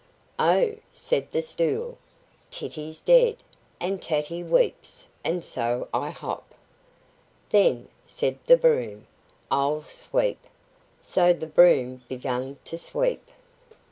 "Oh!" said the stool, "Titty's dead, and Tatty weeps, and so I hop." "Then," said the broom, "I'll sweep." So the broom began to sweep.